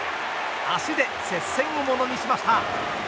足で接戦をものにしました。